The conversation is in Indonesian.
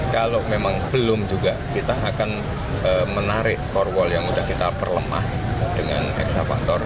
kalau memang belum juga kita akan menarik korwal yang sudah kita perlemah dengan eksavator